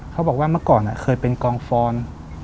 เขาบอกว่าเมื่อก่อนเคยเป็นกองฟอน